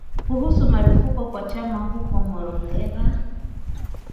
kuhusu marufuku kwa chama huko Marondera